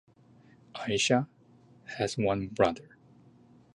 Aisha has one brother.